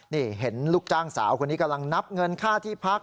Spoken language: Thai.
นี่เห็นลูกจ้างสาวคนนี้กำลังนับเงินค่าที่พัก